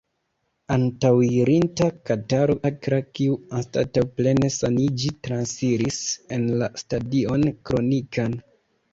Antaŭirinta kataro akra, kiu, anstataŭ plene saniĝi, transiris en la stadion kronikan.